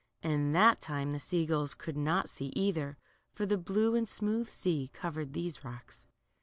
And that time the sea gulls could not see either, for the blue and smooth sea covered these rocks.